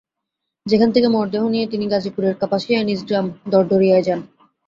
সেখান থেকে মরদেহ নিয়ে তিনি গাজীপুরের কাপাসিয়ায় নিজ গ্রাম দরদড়িয়ায় যান।